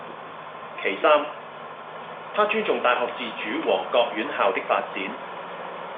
其三，她尊重大學自主和各院校的發展